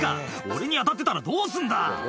俺に当たってたらどうすんだ！」